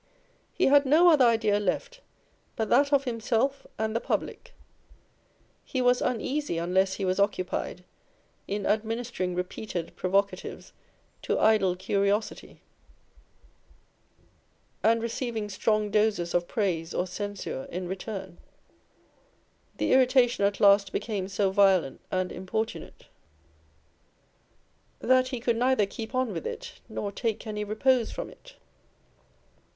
He had no other idea left but that of himself and the public â€" he was uneasy unless he was occupied in ad ministering repeated provocatives to idle curiosity, and receiving strong doses of praise or censure in return : the irritation at last became so violent and importunate, that lie could neither keep on with it nor take any repose from it.